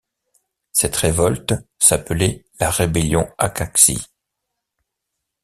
Cette révolte s'appelait la Rébellion Acaxee.